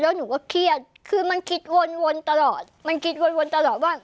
แล้วหนูก็เครียดคือมันคิดวนตลอดมันคิดวนตลอดว่า